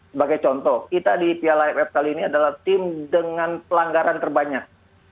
sebagai contoh kita di piala aff kali ini adalah tim dengan pelanggaran terbanyak